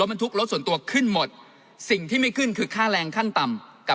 บรรทุกรถส่วนตัวขึ้นหมดสิ่งที่ไม่ขึ้นคือค่าแรงขั้นต่ำกับ